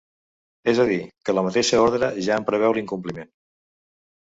És a dir, que la mateixa ordre ja en preveu l’incompliment.